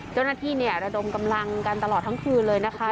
เจ้าหน้าที่เนี่ยระดมกำลังกันตลอดทั้งคืนเลยนะคะ